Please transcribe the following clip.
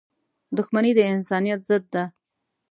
• دښمني د انسانیت ضد ده.